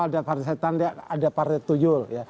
ada partai setan ada partai tuyul